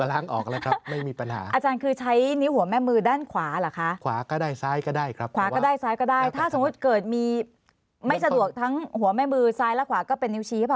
ให้ไปใช้สิทธิ์ด้วยเร็ว